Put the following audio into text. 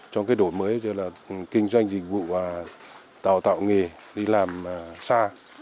trong cái đổi mới kinh doanh dịch vụ và tạo nghề đi làm xa